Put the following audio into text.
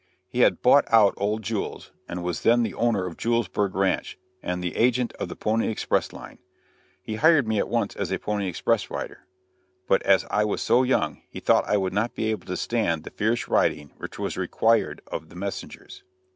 He had bought out "Old Jules," and was then the owner of Julesburg ranch, and the agent of the pony express line. He hired me at once as a pony express rider, but as I was so young he thought I would not be able to stand the fierce riding which was required of the messengers.